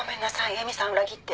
詠美さんを裏切って。